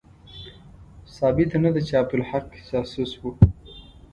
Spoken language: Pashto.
ثابته نه ده چې عبدالحق جاسوس وو.